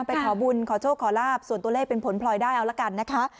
ไปขอบุญขอโชคขอลาบส่วนตัวเลขเป็นผลพลอยได้เอาละกันนะคะ